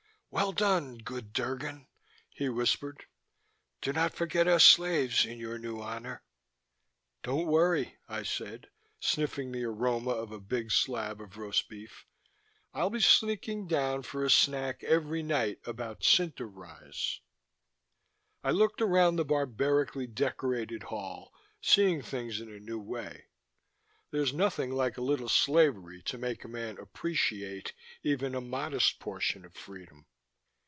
"Well done, good Drgon," he whispered. "Do not forget us slaves in your new honor." "Don't worry," I said, sniffling the aroma of a big slab of roast beef. "I'll be sneaking down for a snack every night about Cinte rise." I looked around the barbarically decorated hall, seeing things in a new way. There's nothing like a little slavery to make a man appreciate even a modest portion of freedom.